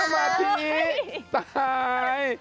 นั่งสมาธิตาย